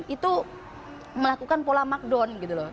itu melakukan pola markdown gitu loh